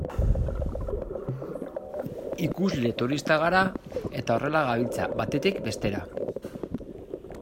Ikusle turistak gara, eta horrela gabiltza, batetik bestera.